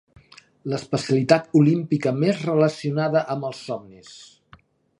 L'especialitat olímpica més relacionada amb els somnis.